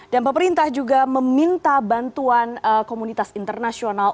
dan pemerintah juga meminta bantuan komunitas internasional